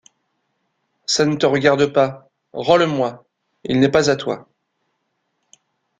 Ça ne te regarde pas! Rends-le moi ! Il n’est pas à toi.